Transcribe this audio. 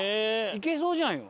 いけそうじゃんよ！